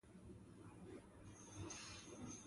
سرې مڼې د صادرولو لپاره غوره دي.